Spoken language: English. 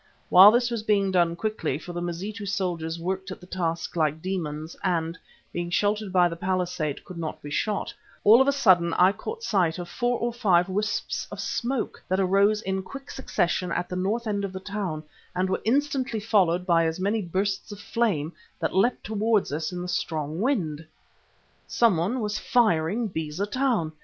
While this was being done quickly, for the Mazitu soldiers worked at the task like demons and, being sheltered by the palisade, could not be shot, all of a sudden I caught sight of four or five wisps of smoke that arose in quick succession at the north end of the town and were instantly followed by as many bursts of flame which leapt towards us in the strong wind. Someone was firing Beza Town!